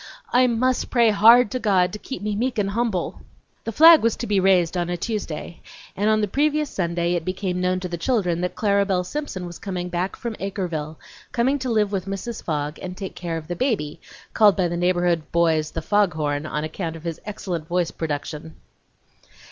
I must pray HARD to God to keep me meek and humble!" III The flag was to be raised on a Tuesday, and on the previous Sunday it became known to the children that Clara Belle Simpson was coming back from Acreville, coming to live with Mrs. Fogg and take care of the baby, called by the neighborhood boys "the Fogg horn," on account of his excellent voice production.